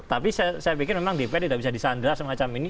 tapi saya pikir memang dpr tidak bisa disandra semacam ini